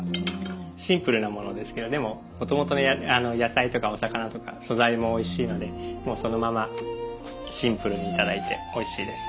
シンプルなものですけどでももともとの野菜とかお魚とか素材もおいしいのでもうそのままシンプルにいただいておいしいです。